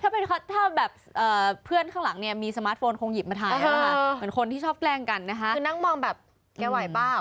ไม่ปลูกเพื่อนด้วยนะนั่งมอง